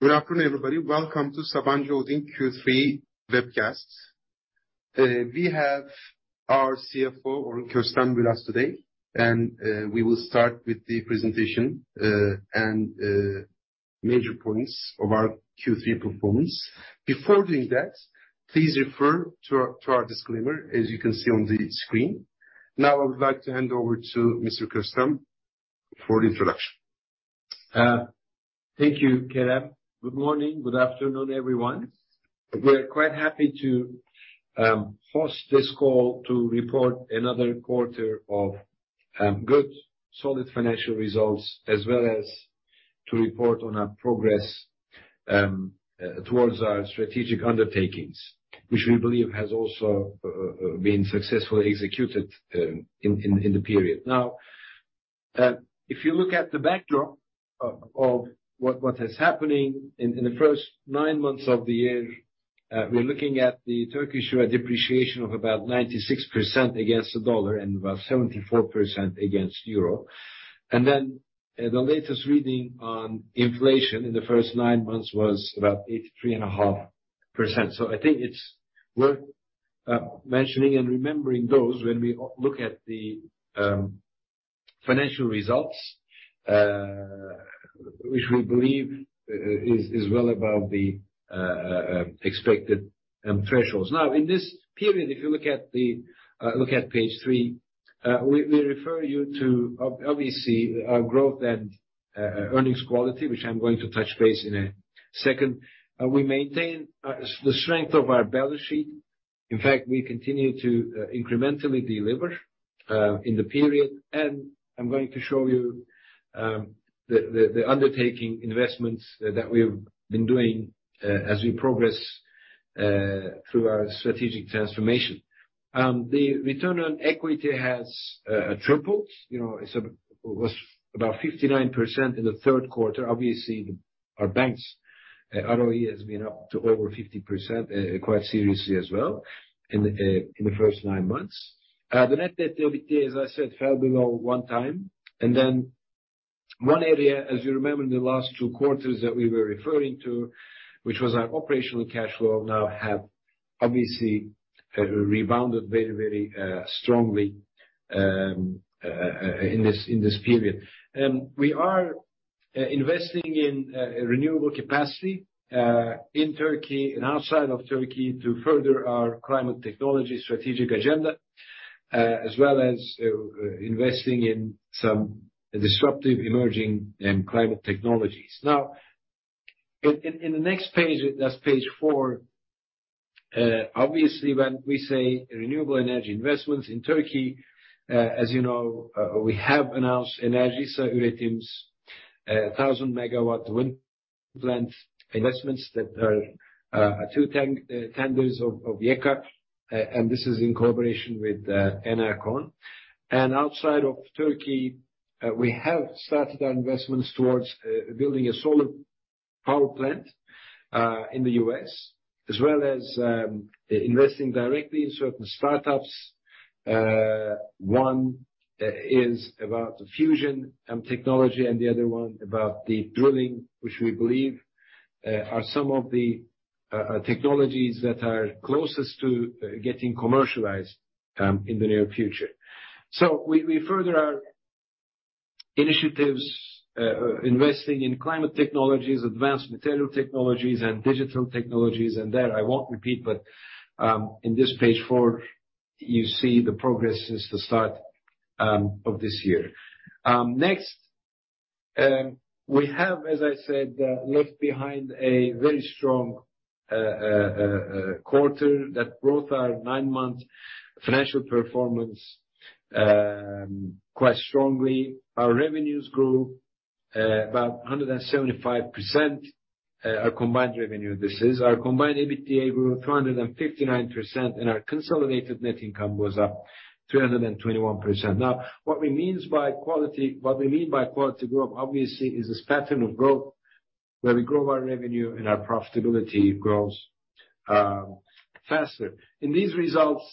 Good afternoon, everybody. Welcome to Sabancı Holding Q3 webcast. We have our Chief Financial Officer, Orhun Köstem with us today, and we will start with the presentation and major points of our Q3 performance. Before doing that, please refer to our disclaimer as you can see on the screen. Now, I would like to hand over to Mr. Köstem for the introduction. Thank you, Kerem. Good morning. Good afternoon, everyone. We're quite happy to host this call to report another quarter of good solid financial results as well as to report on our progress towards our strategic undertakings, which we believe has also been successfully executed in the period. Now, if you look at the backdrop of what is happening in the first nine months of the year, we're looking at the Turkish lira depreciation of about 96% against the dollar and about 74% against euro. The latest reading on inflation in the first nine months was about 83.5%. I think it's worth mentioning and remembering those when we look at the financial results, which we believe is well above the expected thresholds. Now, in this period, if you look at page three, we refer you to obviously our growth and earnings quality, which I'm going to touch base in a second. We maintain the strength of our balance sheet. In fact, we continue to incrementally deliver in the period. I'm going to show you the undertaking investments that we've been doing as we progress through our strategic transformation. The return on equity has tripled. You know, it was about 59% in the third quarter. Obviously, our banks' ROE has been up to over 50%, quite seriously as well in the first nine months. The net debt to EBITDA, as I said, fell below 1x. Then one area, as you remember, in the last two quarters that we were referring to, which was our operational cash flow, now have obviously rebounded very strongly in this period. We are investing in renewable capacity in Turkey and outside of Turkey to further our climate technology strategic agenda, as well as investing in some disruptive emerging and climate technologies. Now, in the next page, that's page four. Obviously, when we say renewable energy investments in Turkey, as you know, we have announced Enerjisa's 1,000 wind plant investments that are two tenders of YEKA, and this is in collaboration with ENERCON. Outside of Turkey, we have started our investments towards building a solar power plant in the U.S., as well as investing directly in certain startups. One is about fusion technology, and the other one about the drilling, which we believe are some of the technologies that are closest to getting commercialized in the near future. We further our initiatives investing in climate technologies, advanced material technologies, and digital technologies. I won't repeat, but in this page four, you see the progress since the start of this year. Next, we have, as I said, left behind a very strong quarter that grew our nine-month financial performance quite strongly. Our revenues grew about 175%. Our combined EBITDA grew 259%, and our consolidated net income was up 221%. Now, what we mean by quality growth, obviously, is this pattern of growth where we grow our revenue and our profitability grows faster. In these results,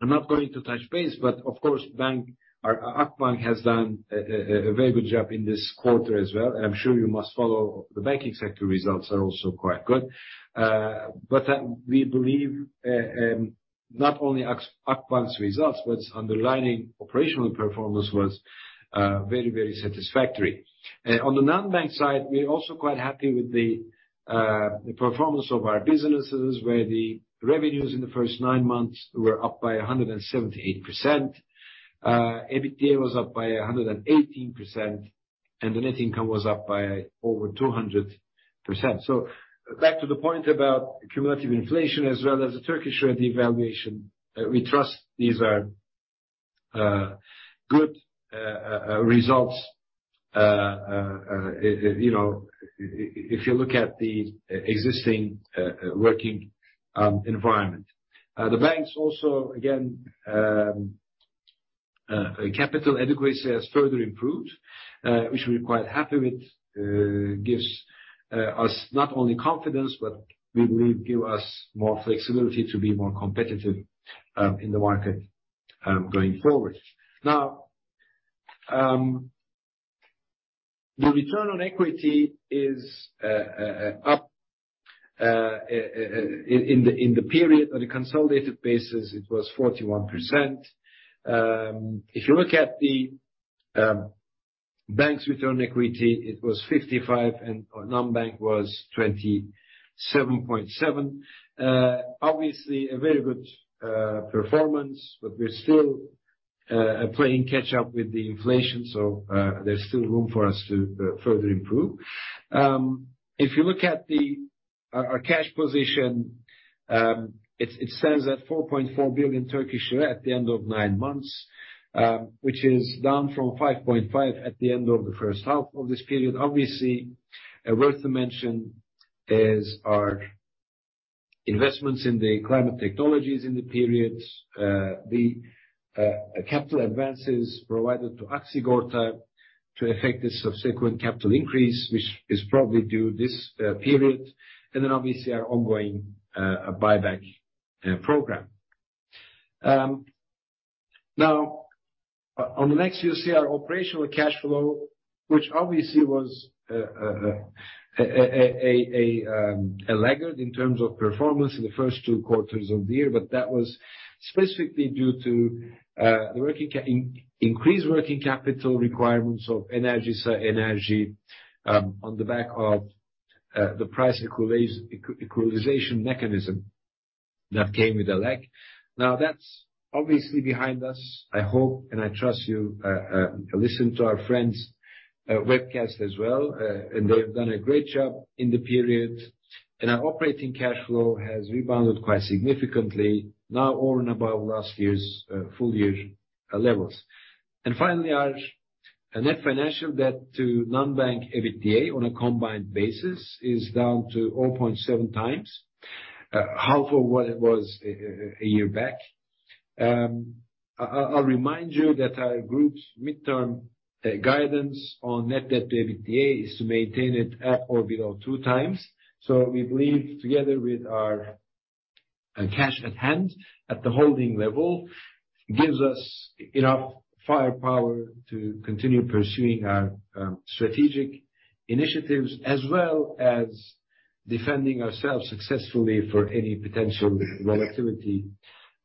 I'm not going to touch base, but of course, our bank, Akbank has done a very good job in this quarter as well. I'm sure you must have followed the banking sector results that are also quite good. We believe not only Akbank's results, but its underlying operational performance was very, very satisfactory. On the non-bank side, we're also quite happy with the performance of our businesses, where the revenues in the first nine months were up by 178%. EBITDA was up by 118%, and the net income was up by over 200%. Back to the point about cumulative inflation as well as the Turkish lira devaluation, we trust these are good results. You know, if you look at the existing working environment. The banks also, again, capital adequacy has further improved, which we're quite happy with. Gives us not only confidence, but we believe give us more flexibility to be more competitive in the market going forward. Now, the return on equity is up in the period on a consolidated basis, it was 41%. If you look at the bank's return on equity, it was 55%, and our non-bank was 27.7%. Obviously a very good performance, but we're still playing catch up with the inflation, so there's still room for us to further improve. If you look at our cash position, it stands at 4.4 billion Turkish lira at the end of nine months, which is down from 5.5 billion at the end of the first half of this period. Obviously, worth to mention is our investments in the climate technologies in the period. The capital advances provided to Aksigorta to effect a subsequent capital increase, which is probably due this period, and then obviously our ongoing buyback program. Now, on the next you'll see our operational cash flow, which obviously was a laggard in terms of performance in the first two quarters of the year. That was specifically due to the increased working capital requirements of Enerjisa Enerji on the back of the price equalization mechanism that came with a lag. Now that's obviously behind us, I hope, and I trust you listen to our friends' webcast as well. They've done a great job in the period. Our operating cash flow has rebounded quite significantly now over and above last year's full year levels. Finally, our net financial debt to non-bank EBITDA on a combined basis is down to 0.7x, half of what it was a year back. I'll remind you that our group's midterm guidance on net debt to EBITDA is to maintain it at or below 2x. We believe together with our cash at hand at the holding level gives us enough firepower to continue pursuing our strategic initiatives as well as defending ourselves successfully for any potential volatility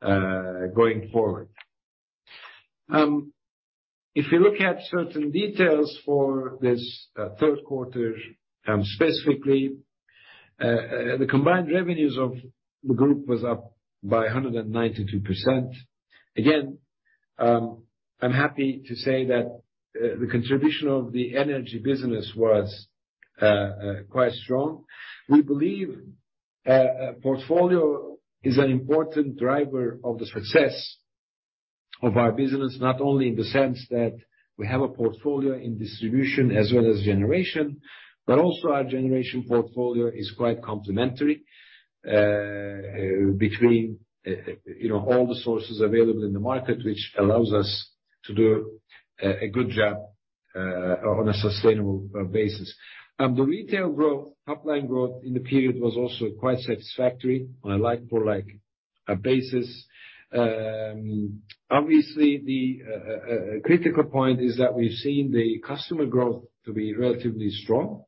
going forward. If you look at certain details for this third quarter, specifically, the combined revenues of the group was up by 192%. Again, I'm happy to say that the contribution of the energy business was quite strong. We believe portfolio is an important driver of the success of our business, not only in the sense that we have a portfolio in distribution as well as generation, but also our generation portfolio is quite complementary between you know all the sources available in the market, which allows us to do a good job on a sustainable basis. The retail growth, top line growth in the period was also quite satisfactory on a like-for-like basis. Obviously the critical point is that we've seen the customer growth to be relatively strong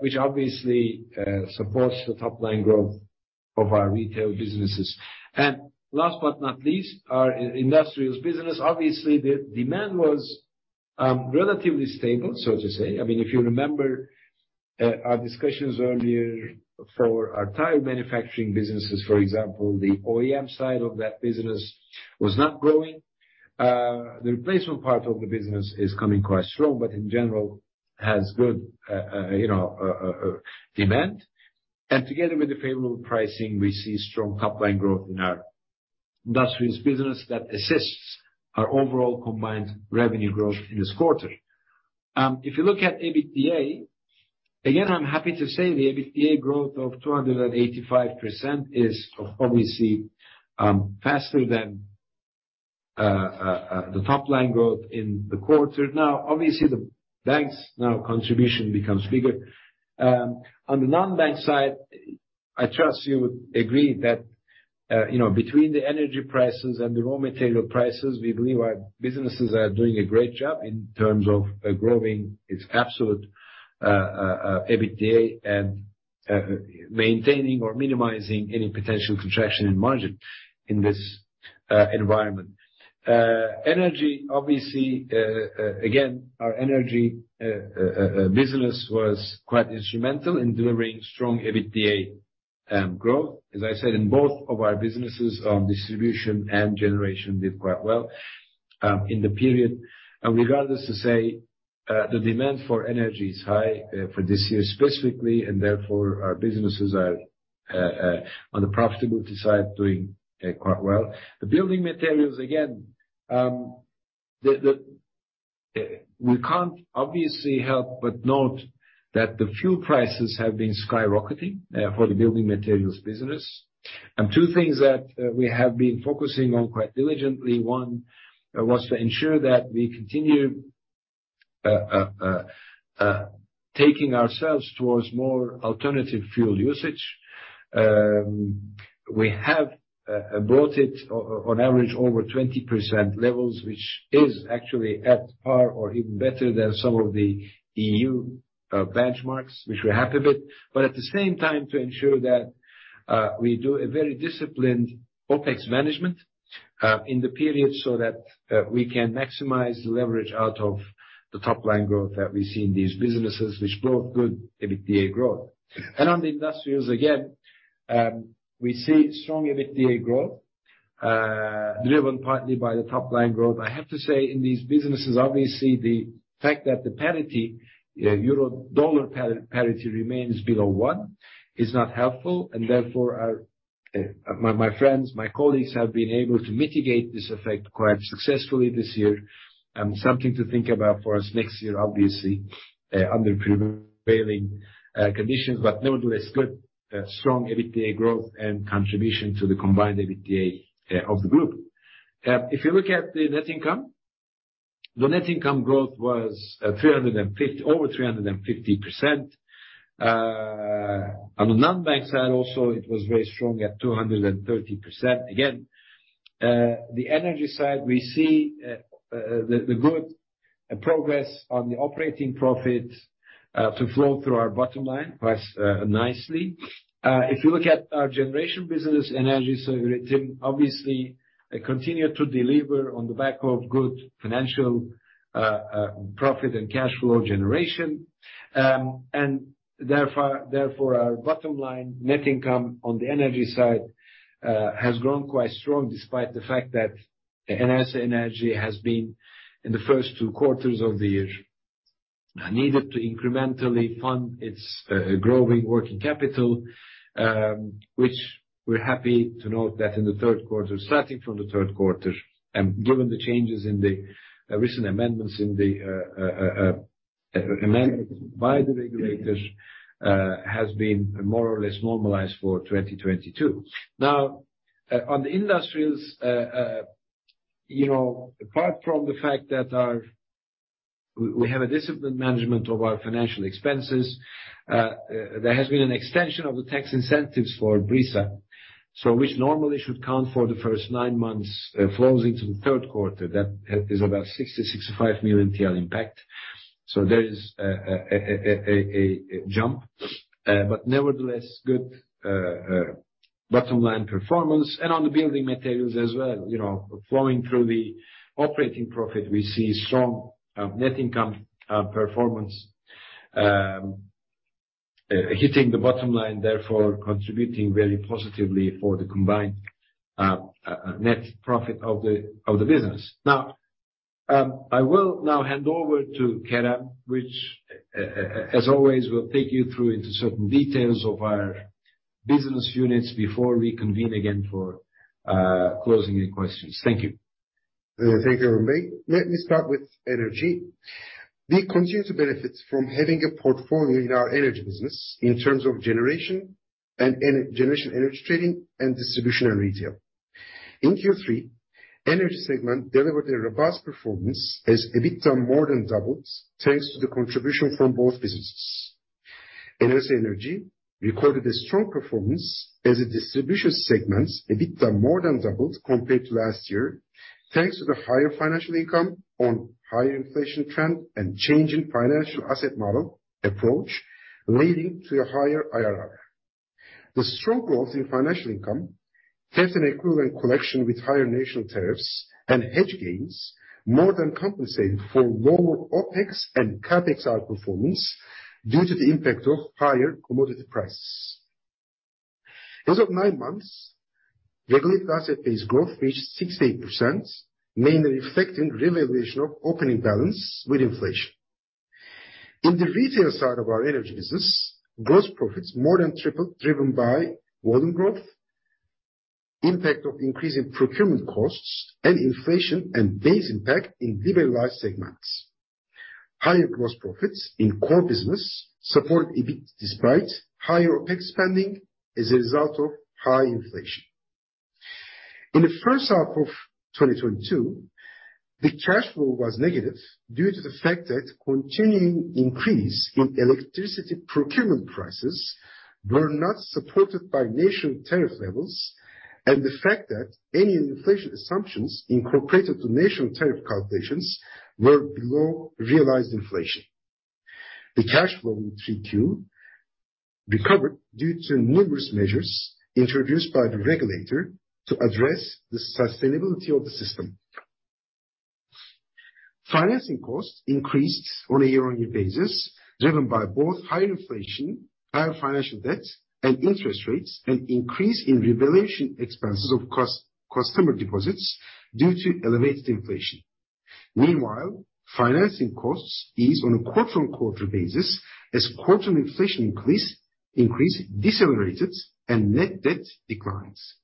which obviously supports the top line growth of our retail businesses. Last but not least, our industrials business. Obviously, the demand was relatively stable, so to say. I mean, if you remember, our discussions earlier for our tire manufacturing businesses, for example, the OEM side of that business was not growing. The replacement part of the business is coming quite strong, but in general has good, you know, demand. Together with the favorable pricing, we see strong top line growth in our industrials business that assists our overall combined revenue growth in this quarter. If you look at EBITDA, again, I'm happy to say the EBITDA growth of 285% is obviously faster than the top line growth in the quarter. Now, obviously, the banks' now contribution becomes bigger. On the non-bank side, I trust you would agree that, you know, between the energy prices and the raw material prices, we believe our businesses are doing a great job in terms of growing its absolute EBITDA and maintaining or minimizing any potential contraction in margin in this environment. Energy, obviously, again, our energy business was quite instrumental in delivering strong EBITDA growth. As I said, in both of our businesses, distribution and generation did quite well in the period. Needless to say, the demand for energy is high for this year specifically, and therefore, our businesses are on the profitability side, doing quite well. The building materials, again, we can't obviously help but note that the fuel prices have been skyrocketing for the building materials business. Two things that we have been focusing on quite diligently. One was to ensure that we continue taking ourselves towards more alternative fuel usage. We have got it on average over 20% levels, which is actually at par or even better than some of the EU benchmarks, which we're happy with. But at the same time, to ensure that we do a very disciplined OpEx management in the period, so that we can maximize the leverage out of the top line growth that we see in these businesses, which drove good EBITDA growth. On the industrials, again, we see strong EBITDA growth, driven partly by the top line growth. I have to say, in these businesses, obviously, the fact that the parity, euro/dollar parity remains below one is not helpful. Therefore, our friends, my colleagues, have been able to mitigate this effect quite successfully this year. Something to think about for us next year, obviously, under prevailing conditions. Nevertheless, good strong EBITDA growth and contribution to the combined EBITDA of the group. If you look at the net income, the net income growth was over 350%. On the non-bank side also, it was very strong at 230%. Again, the energy side, we see the good progress on the operating profit to flow through our bottom line quite nicely. If you look at our generation business, Enerjisa Üretim, obviously continue to deliver on the back of good financial profit and cash flow generation. Therefore, our bottom line net income on the energy side has grown quite strong, despite the fact that Enerjisa Enerji has been in the first two quarters of the year needed to incrementally fund its growing working capital, which we're happy to note that in the third quarter, starting from the third quarter, and given the changes in the recent amendments in the amendment by the regulators has been more or less normalized for 2022. Now, on the industrials, you know, apart from the fact that we have a disciplined management of our financial expenses, there has been an extension of the tax incentives for Brisa, which normally should count for the first nine months, flows into the third quarter. That is about TL 65 million impact. There is a jump. Nevertheless, good bottom line performance. On the building materials as well, you know, flowing through the operating profit, we see strong net income performance hitting the bottom line, therefore contributing very positively for the combined net profit of the business. Now, I will now hand over to Kerem, which, as always, will take you through into certain details of our business units before we convene again for closing any questions. Thank you. Thank you, Orhun Bey. Let me start with energy. We continue to benefit from having a portfolio in our energy business in terms of generation and energy trading and distribution and retail. In Q3, energy segment delivered a robust performance as EBITDA more than doubled, thanks to the contribution from both businesses. Enerjisa Energy recorded a strong performance as the distribution segment's EBITDA more than doubled compared to last year, thanks to the higher financial income on higher inflation trend and change in financial asset model approach, leading to a higher IRR. The strong growth in financial income, thanks to an efficient collection with higher national tariffs and hedge gains, more than compensated for lower OpEx and CapEx outperformance due to the impact of higher commodity prices. As of nine months, regulated asset base growth reached 68%, mainly reflecting revaluation of opening balance with inflation. In the retail side of our energy business, gross profits more than tripled, driven by volume growth, impact of increasing procurement costs and inflation and base impact in liberalized segments. Higher gross profits in core business supported EBIT despite higher OpEx spending as a result of high inflation. In the first half of 2022, the cash flow was negative due to the fact that continuing increase in electricity procurement prices were not supported by national tariff levels, and the fact that any inflation assumptions incorporated to national tariff calculations were below realized inflation. The cash flow in Q3 recovered due to numerous measures introduced by the regulator to address the sustainability of the system. Financing costs increased on a year-on-year basis, driven by both higher inflation, higher financial debt and interest rates, and increase in revaluation expenses of customer deposits due to elevated inflation. Meanwhile, financing costs is on a quarter-on-quarter basis as quarterly inflation increase decelerated and net debt declines.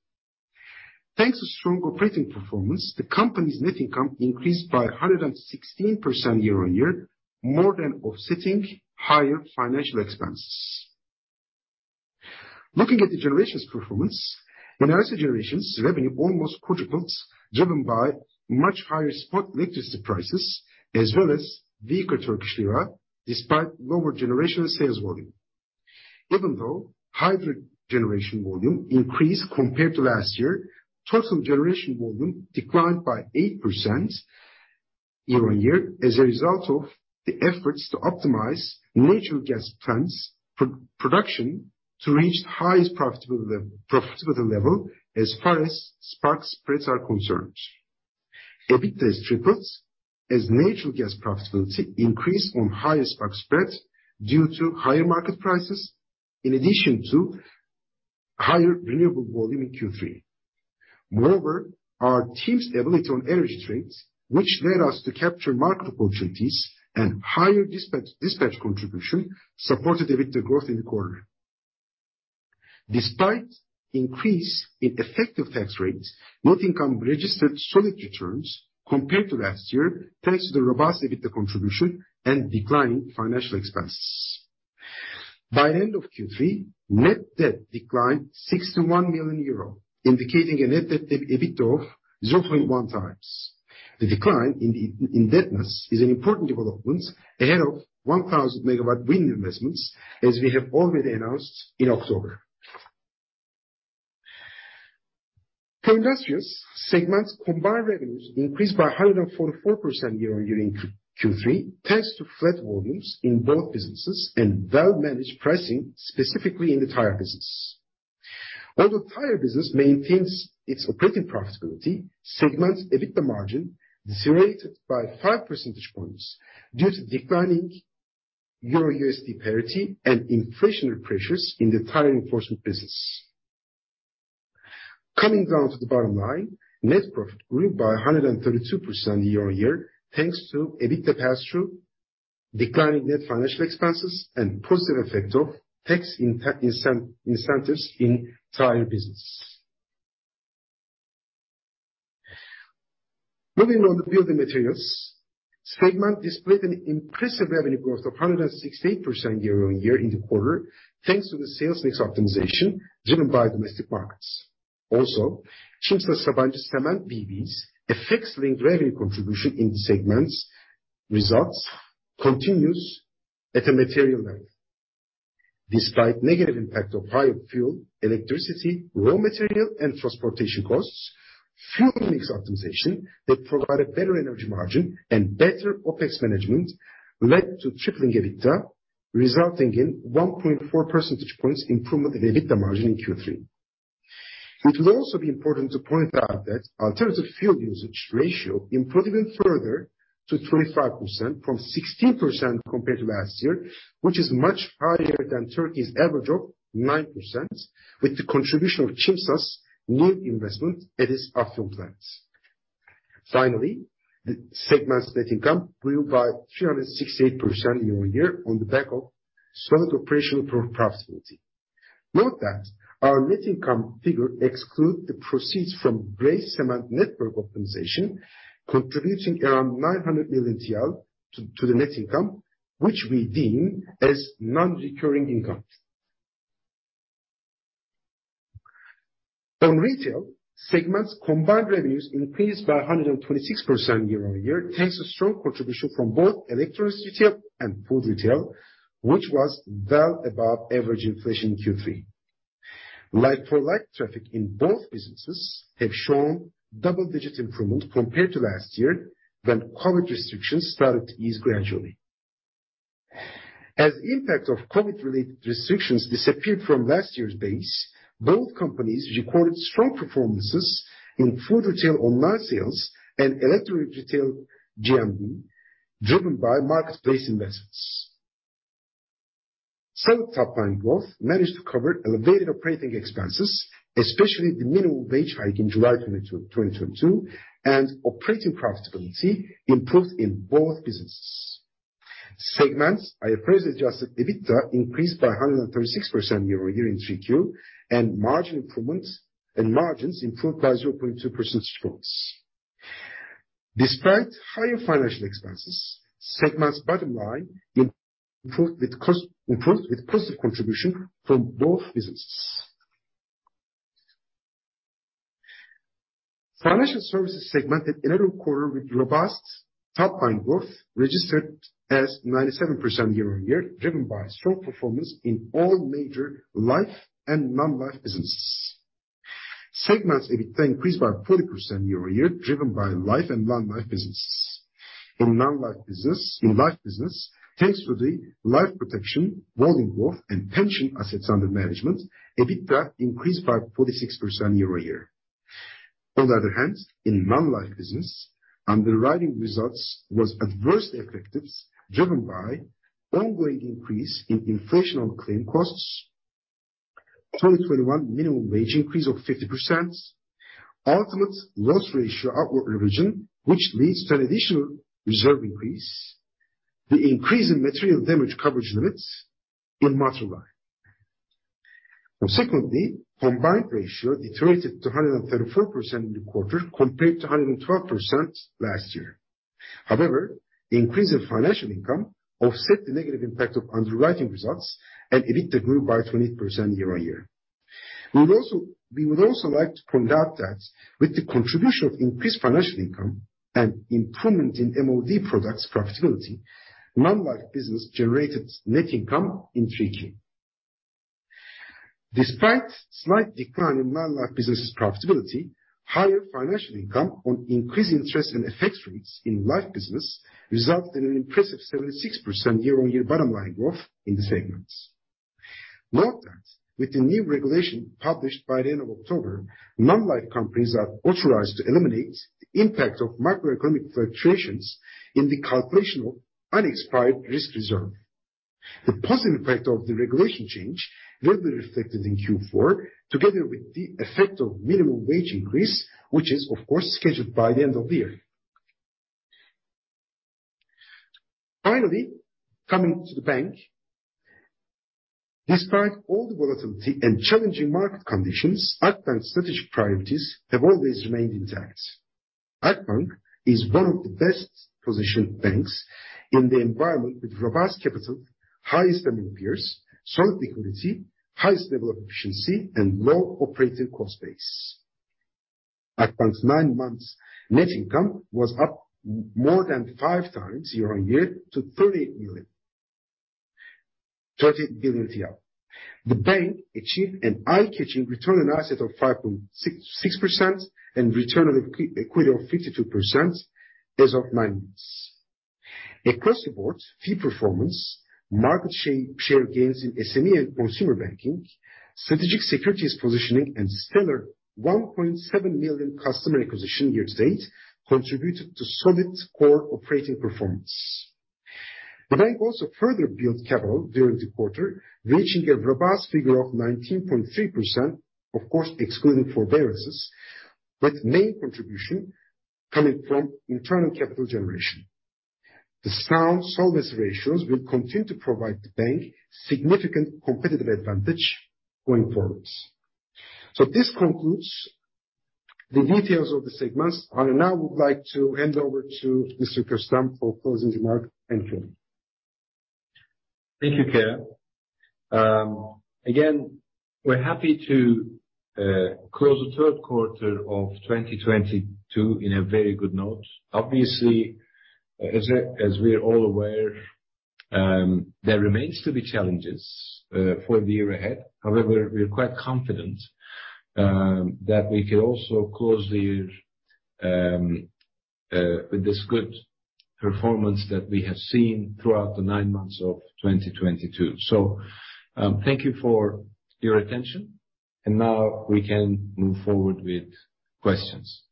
Thanks to strong operating performance, the company's net income increased by 116% year-on-year, more than offsetting higher financial expenses. Looking at the generation's performance, energy generation's revenue almost quadrupled, driven by much higher spot electricity prices as well as weaker Turkish lira, despite lower generation sales volume. Even though hydro generation volume increased compared to last year, total generation volume declined by 8% year-on-year as a result of the efforts to optimize natural gas plants production to reach the highest profitability level as far as spark spreads are concerned. EBITDA tripled as natural gas profitability increased on higher spark spreads due to higher market prices in addition to higher renewable volume in Q3. Moreover, our team's ability on energy trades, which led us to capture market opportunities and higher dispatch contribution, supported the EBITDA growth in the quarter. Despite increase in effective tax rates, net income registered solid returns compared to last year, thanks to the robust EBITDA contribution and declining financial expenses. By the end of Q3, net debt declined 61 million euro, indicating a net debt to EBITDA of 0.1x. The decline in indebtedness is an important development ahead of 1,000 MW wind investments, as we have already announced in October. The Industrial segments combined revenues increased by 144% year-on-year in Q3, thanks to flat volumes in both businesses and well-managed pricing, specifically in the tire business. Although tire business maintains its operating profitability, segment EBITDA margin deteriorated by 5 percentage points due to declining Euro-USD parity and inflationary pressures in the tire reinforcement business. Coming down to the bottom line, net profit grew by 132% year-on-year, thanks to EBITDA pass-through, declining net financial expenses, and positive effect of tax incentives in tire business. Moving on to building materials. Segment displayed an impressive revenue growth of 168% year-on-year in the quarter, thanks to the sales mix optimization driven by domestic markets. Also, Çimsa Sabancı Cement BV effects link revenue contribution in the segment's results continues at a material level. Despite negative impact of higher fuel, electricity, raw material, and transportation costs, fuel mix optimization that provided better energy margin and better OpEx management led to tripling EBITDA, resulting in 1.4 percentage points improvement in EBITDA margin in Q3. It will also be important to point out that alternative fuel usage ratio improved even further to 25% from 16% compared to last year, which is much higher than Turkey's average of 9% with the contribution of Çimsa's new investment at its off-field plants. Finally, the segment's net income grew by 368% year-on-year on the back of solid operational profitability. Note that our net income figure excludes the proceeds from gray cement network optimization, contributing around TL 900 million to the net income, which we deem as non-recurring income. On retail, segment's combined revenues increased by 126% year-on-year, thanks to strong contribution from both electronics retail and food retail, which was well above average inflation in Q3. Like-for-like traffic in both businesses have shown double-digit improvement compared to last year when COVID restrictions started to ease gradually. As impact of COVID related restrictions disappeared from last year's base, both companies recorded strong performances in food retail online sales and electronic retail GMV, driven by marketplace investments. Solid top line growth managed to cover elevated operating expenses, especially the minimum wage hike in July 2022, and operating profitability improved in both businesses. Segment's IFRS adjusted EBITDA increased by 136% year-on-year in 3Q, and margins improved by 0.2 percentage points. Despite higher financial expenses, segment's bottom line improved with positive contribution from both businesses. Financial services segment had another quarter with robust top line growth registered as 97% year-on-year, driven by strong performance in all major life and non-life businesses. Segment's EBITDA increased by 40% year-on-year driven by life and non-life business. In life business, thanks to the life protection volume growth and pension assets under management, EBITDA increased by 46% year-on-year. On the other hand, in non-life business, underwriting results was adversely affected, driven by ongoing increase in inflation of claim costs, 2021 minimum wage increase of 50%, ultimate loss ratio upward revision, which leads to an additional reserve increase, the increase in material damage coverage limits in motor line. Consequently, combined ratio deteriorated to 134% in the quarter compared to 112% last year. However, the increase in financial income offset the negative impact of underwriting results and EBITDA grew by 20% year-on-year. We would also like to point out that with the contribution of increased financial income and improvement in MoD products profitability, non-life business generated net income in Q3. Despite slight decline in non-life business' profitability, higher financial income on increased interest and effective rates in life business resulted in an impressive 76% year-on-year bottom line growth in the segments. Note that with the new regulation published by the end of October, non-life companies are authorized to eliminate the impact of macroeconomic fluctuations in the calculation of unexpired risk reserve. The positive effect of the regulation change will be reflected in Q4, together with the effect of minimum wage increase, which is of course scheduled by the end of the year. Finally, coming to the bank. Despite all the volatility and challenging market conditions, Akbank's strategic priorities have always remained intact. Akbank is one of the best-positioned banks in the environment with robust capital, highest among peers, solid liquidity, highest level of efficiency and low operating cost base. Akbank's nine months net income was up more than 5x year-on-year to 30 billion TL. The bank achieved an eye-catching return on assets of 5.66% and return on equity of 52% as of nine months. Across the board, fee performance, market share gains in SME and consumer banking, strategic securities positioning and stellar 1.7 million customer acquisition year-to-date, contributed to solid core operating performance. The bank also further built capital during the quarter, reaching a robust figure of 19.3%, of course, excluding forbearances, with main contribution coming from internal capital generation. The sound solvency ratios will continue to provide the bank significant competitive advantage going forward. This concludes the details of the segments. I now would like to hand over to Mr. Köstem for closing remarks. Thank you. Thank you, Kerem. Again, we're happy to close the third quarter of 2022 in a very good note. Obviously, as we're all aware, there remains to be challenges for the year ahead. However, we're quite confident that we can also close the year with this good performance that we have seen throughout the nine months of 2022. Thank you for your attention and now we can move forward with questions.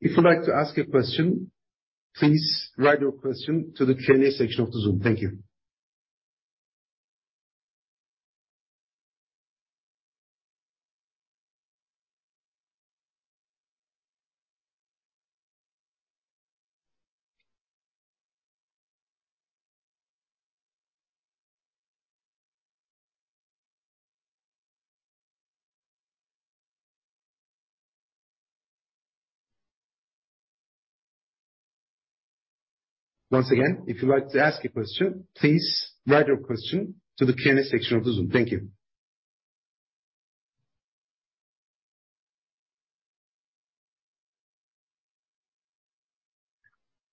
If you'd like to ask a question, please write your question to the Q&A section of the Zoom. Thank you. Once again, if you'd like to ask a question, please write your question to the Q&A section of the Zoom. Thank you.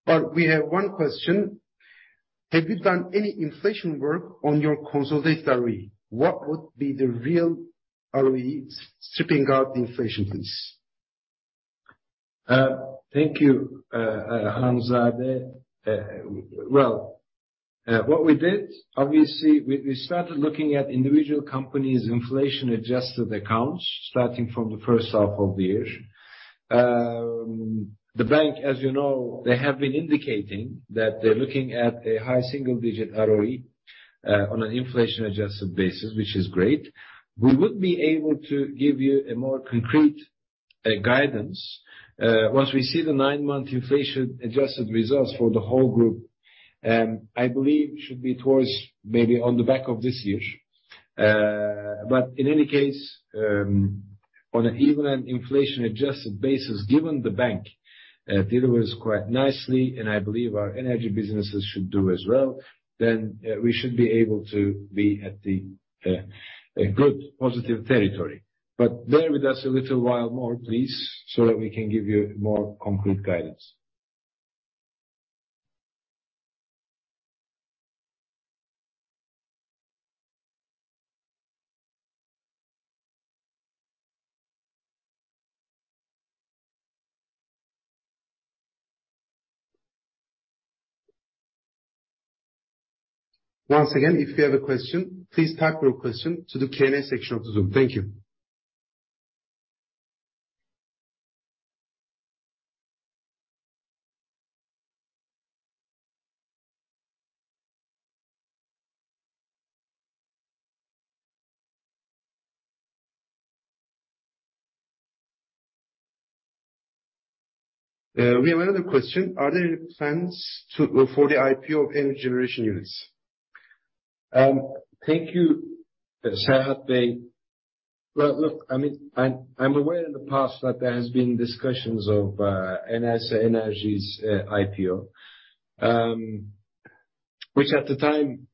Bart, we have one question. Have you done any inflation work on your consolidated ROE? What would be the real ROE stripping out the inflation, please? Thank you, Hamza Bey. Well, what we did, obviously, we started looking at individual companies' inflation-adjusted accounts starting from the first half of the year. The bank, as you know, they have been indicating that they're looking at a high single-digit ROE on an inflation-adjusted basis, which is great. We would be able to give you a more concrete guidance once we see the nine-month inflation-adjusted results for the whole group. I believe should be towards maybe on the back of this year. In any case, on an even inflation-adjusted basis, given the bank was quite nicely, and I believe our energy businesses should do as well, then we should be able to be at a good positive territory. bear with us a little while more, please, so that we can give you more concrete guidance. Once again, if you have a question, please type your question to the Q&A section of the Zoom. Thank you. We have another question. Are there plans for the IPO of energy generation units? Thank you, Serhat Bey. Well, look, I mean, I'm aware in the past that there has been discussions of Enerjisa Enerji's IPO, which at the time,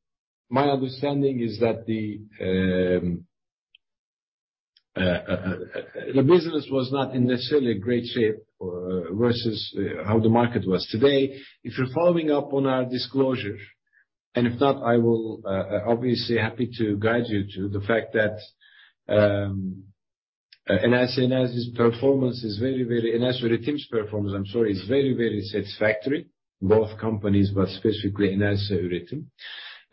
my understanding is that the business was not in necessarily great shape versus how the market was. Today, if you're following up on our disclosure, and if not, I will obviously happy to guide you to the fact that Enerjisa Üretim's performance, I'm sorry, is very satisfactory, both companies, but specifically Enerjisa Üretim.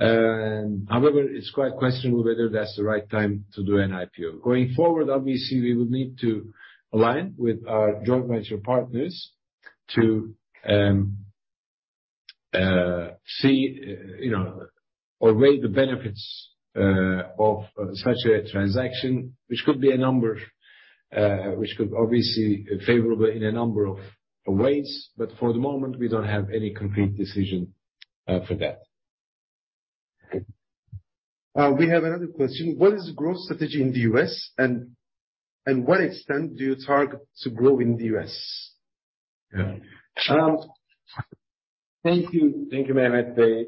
However, it's quite questionable whether that's the right time to do an IPO. Going forward, obviously, we would need to align with our joint venture partners to see, you know, or weigh the benefits of such a transaction, which could obviously be favorable in a number of ways. For the moment, we don't have any concrete decision for that. We have another question. What is growth strategy in the U.S., and what extent do you target to grow in the U.S.? Yeah. Thank you. Thank you, Mehmet Bey.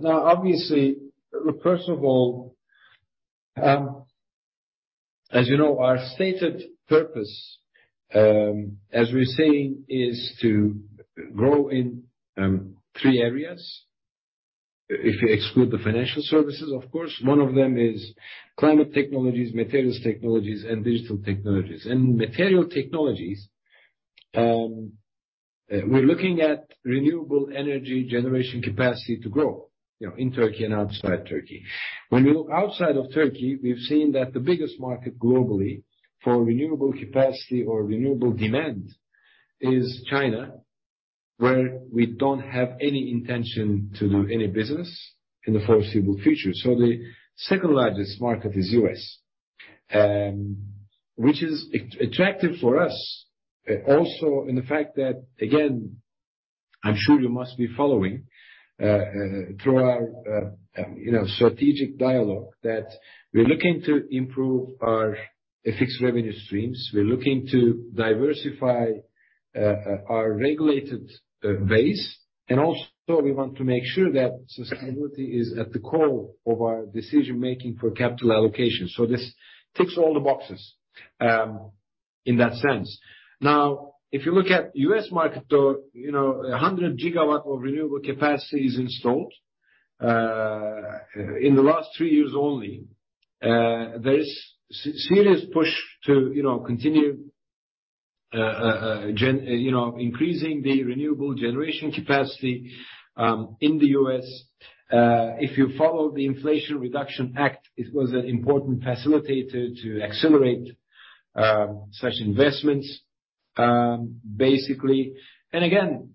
Now, obviously, first of all, as you know, our stated purpose, as we're saying, is to grow in three areas if you exclude the financial services, of course. One of them is climate technologies, materials technologies, and digital technologies. In material technologies, we're looking at renewable energy generation capacity to grow, you know, in Turkey and outside Turkey. When we look outside of Turkey, we've seen that the biggest market globally for renewable capacity or renewable demand is China, where we don't have any intention to do any business in the foreseeable future. The second largest market is U.S., which is attractive for us, also in the fact that, again, I'm sure you must be following through our, you know, strategic dialogue that we're looking to improve our fixed revenue streams. We're looking to diversify our regulated base, and also we want to make sure that sustainability is at the core of our decision-making for capital allocation. This ticks all the boxes, in that sense. Now, if you look at U.S. market, though, you know, 100 GW of renewable capacity is installed in the last three years only. There is serious push to, you know, continue increasing the renewable generation capacity in the U.S. If you follow the Inflation Reduction Act, it was an important facilitator to accelerate such investments, basically. Again,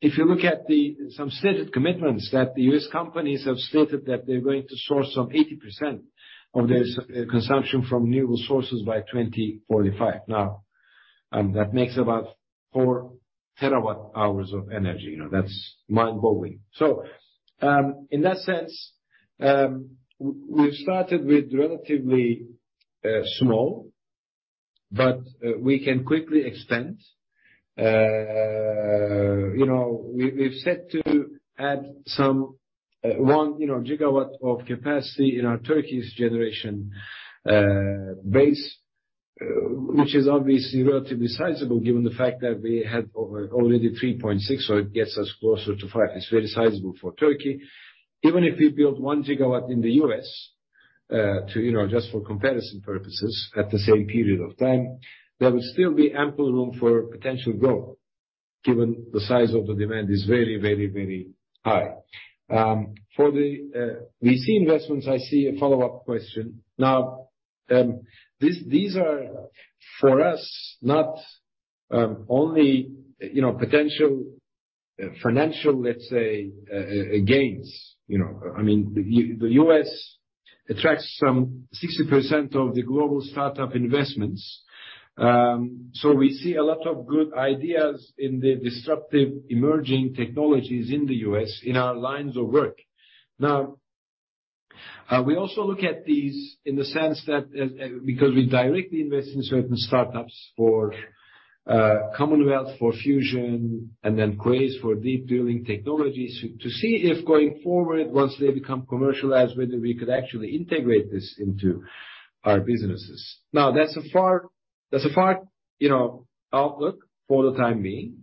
if you look at some stated commitments that the U.S. companies have stated that they're going to source some 80% of their consumption from renewable sources by 2045. Now, that makes about four terawatt-hours of energy. You know, that's mind-blowing. In that sense, we've started with relatively small, but we can quickly expand. You know, we've set to add some 1 GW of capacity in our Turkey's generation base, which is obviously relatively sizable given the fact that we had over already 3.6 GW. It gets us closer to 5 GW. It's very sizable for Turkey. Even if you build 1 GW in the U.S., you know, just for comparison purposes, at the same period of time, there would still be ample room for potential growth given the size of the demand is very, very, very high. For the VC investments, I see a follow-up question. Now, these are for us, not only, you know, potential financial, let's say, gains. You know, I mean, the U.S. attracts some 60% of the global startup investments. We see a lot of good ideas in the disruptive emerging technologies in the U.S. in our lines of work. Now, we also look at these in the sense that, because we directly invest in certain startups for Commonwealth for fusion and then Quaise for deep drilling technologies to see if going forward, once they become commercialized, whether we could actually integrate this into our businesses. Now, that's a far, you know, outlook for the time being.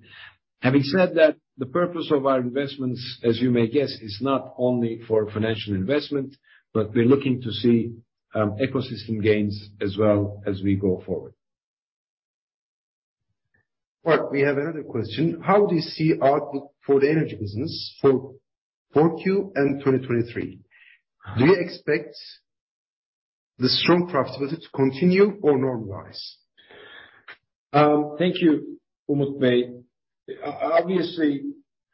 Having said that, the purpose of our investments, as you may guess, is not only for financial investment, but we're looking to see ecosystem gains as well as we go forward. Well, we have another question. How do you see outlook for the energy business for 4Q and 2023? Do you expect the strong profitability to continue or normalize? Thank you, Umut Bey.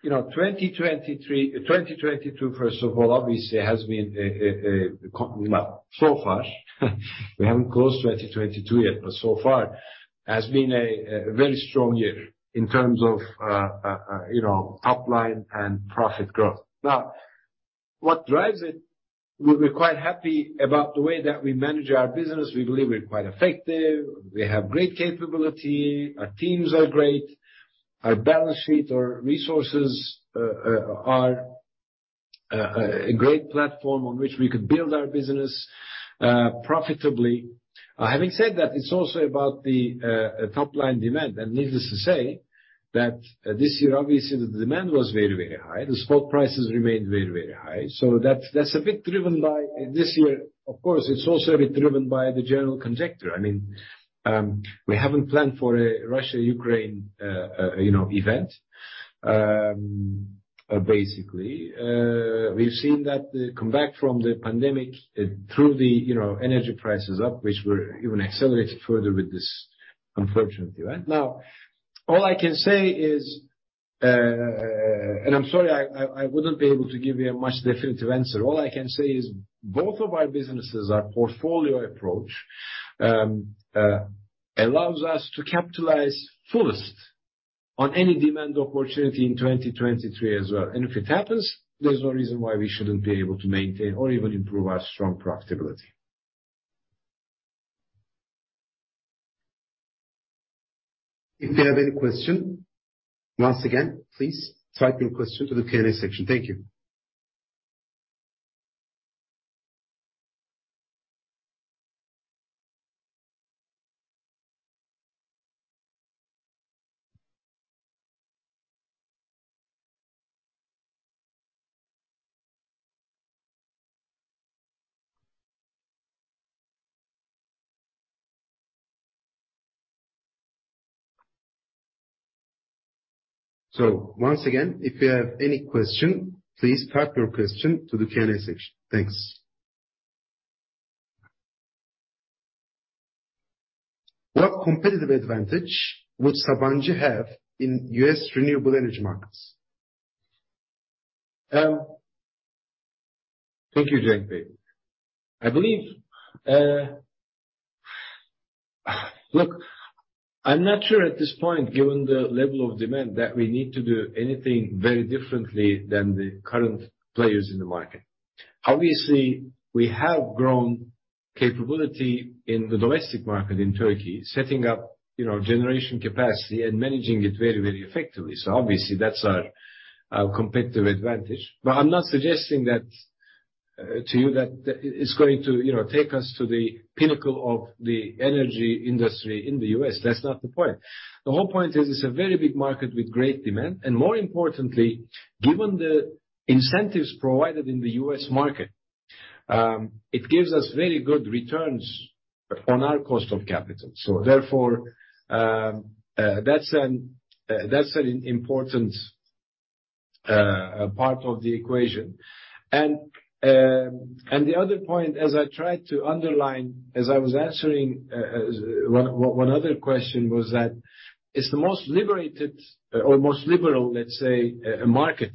You know, 2023, 2022, first of all, obviously has been a well, so far, we haven't closed 2022 yet, but so far has been a very strong year in terms of, you know, top line and profit growth. Now, what drives it, we're quite happy about the way that we manage our business. We believe we're quite effective. We have great capability. Our teams are great. Our balance sheet, our resources are a great platform on which we could build our business, profitably. Having said that, it's also about the top line demand. Needless to say, that this year, obviously the demand was very, very high. The spot prices remained very, very high. That's a bit driven by this year. Of course, it's also a bit driven by the general conjuncture. I mean, we haven't planned for a Russia, Ukraine, you know, event, basically. We've seen that the comeback from the pandemic through the energy prices up, which were even accelerated further with this unfortunate event. Now, all I can say is I'm sorry, I wouldn't be able to give you a more definitive answer. All I can say is both of our businesses, our portfolio approach, allows us to capitalize fullest on any demand opportunity in 2023 as well. If it happens, there's no reason why we shouldn't be able to maintain or even improve our strong profitability. If you have any question, once again, please type your question to the Q&A section. Thank you. Once again, if you have any question, please type your question to the Q&A section. Thanks. What competitive advantage would Sabancı have in U.S. renewable energy markets? Thank you, Cengiz. I believe, look, I'm not sure at this point, given the level of demand, that we need to do anything very differently than the current players in the market. Obviously, we have grown capability in the domestic market in Turkey, setting up, you know, generation capacity and managing it very, very effectively. Obviously that's our competitive advantage. But I'm not suggesting that, to you that it's going to, you know, take us to the pinnacle of the energy industry in the U.S. That's not the point. The whole point is it's a very big market with great demand, and more importantly, given the incentives provided in the US market, it gives us very good returns on our cost of capital. That's an important part of the equation. The other point, as I tried to underline, as I was answering one other question was that it's the most liberated or most liberal, let's say, market,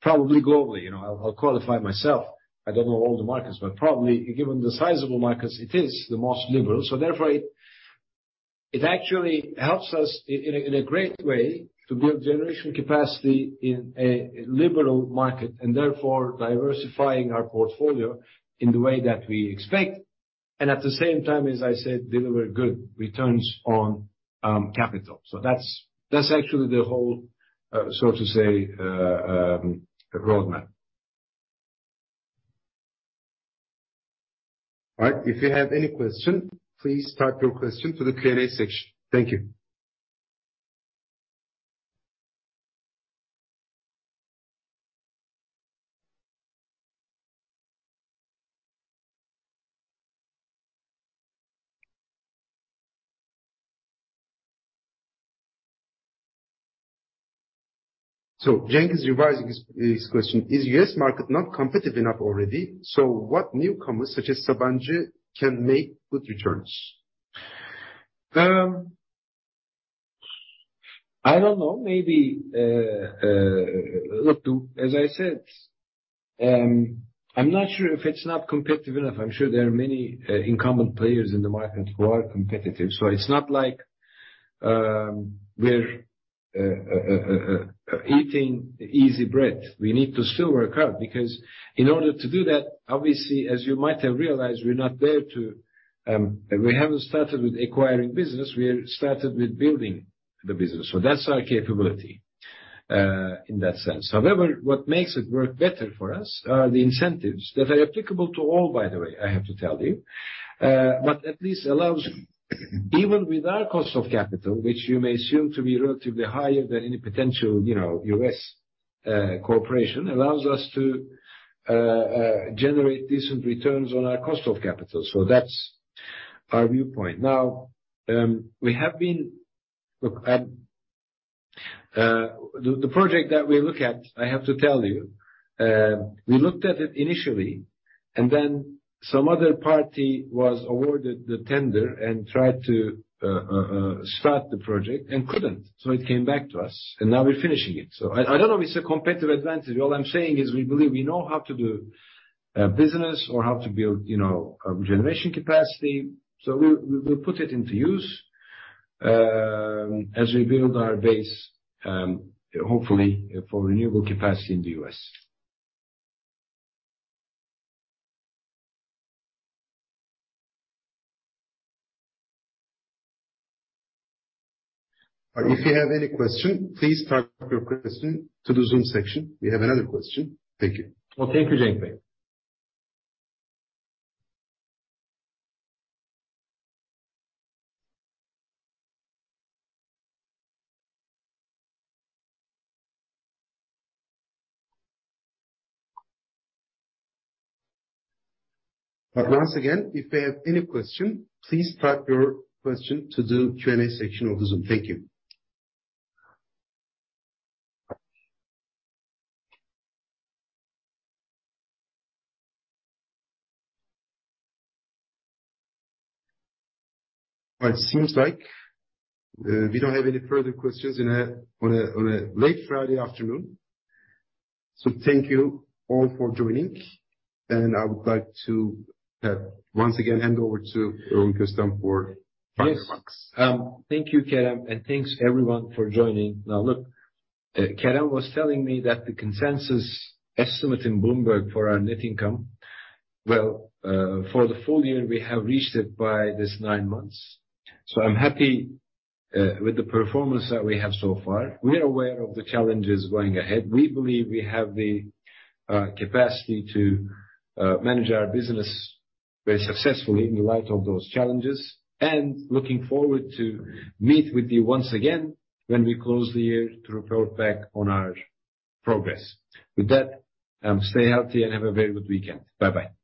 probably globally. You know, I'll qualify myself. I don't know all the markets, but probably given the sizable markets, it is the most liberal. Therefore it actually helps us in a great way to build generation capacity in a liberal market, and therefore diversifying our portfolio in the way that we expect, and at the same time, as I said, deliver good returns on capital. That's actually the whole so to say roadmap. All right. If you have any question, please type your question to the Q&A section. Thank you. Cengiz, revising his question. Is U.S. market not competitive enough already? What newcomers such as Sabancı can make good returns? I don't know. Maybe. Look, as I said, I'm not sure if it's not competitive enough. I'm sure there are many incumbent players in the market who are competitive, so it's not like we're eating easy bread. We need to still work hard because in order to do that, obviously, as you might have realized, we haven't started with acquiring business. We have started with building the business. That's our capability in that sense. However, what makes it work better for us are the incentives that are applicable to all, by the way, I have to tell you. At least allows, even with our cost of capital, which you may assume to be relatively higher than any potential, you know, U.S. corporation, allows us to generate decent returns on our cost of capital. That's our viewpoint. Now, Look, the project that we look at, I have to tell you, we looked at it initially. Some other party was awarded the tender and tried to start the project and couldn't, so it came back to us, and now we're finishing it. I don't know if it's a competitive advantage. All I'm saying is we believe we know how to do business or how to build, you know, a generation capacity. We'll put it into use, as we build our base, hopefully for renewable capacity in the US. If you have any question, please type your question to the Zoom section. We have another question. Thank you. Well, thank you, Cenk. Once again, if you have any question, please type your question to the Q&A section of the Zoom. Thank you. It seems like we don't have any further questions on a late Friday afternoon. Thank you all for joining, and I would like to once again hand over to Orhun Köstem for final remarks. Yes. Thank you, Kerem, and thanks everyone for joining. Now, look, Kerem was telling me that the consensus estimate in Bloomberg for our net income for the full year we have reached it by this nine months. I'm happy with the performance that we have so far. We are aware of the challenges going ahead. We believe we have the capacity to manage our business very successfully in light of those challenges, and looking forward to meet with you once again when we close the year to report back on our progress. With that, stay healthy and have a very good weekend. Bye-bye.